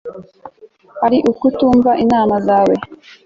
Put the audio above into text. ari ukutumva inama zawe